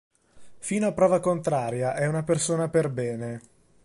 Fino a prova contraria è una persona perbene.